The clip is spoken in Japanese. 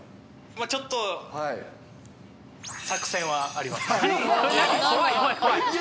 ちょっと、作戦はあります。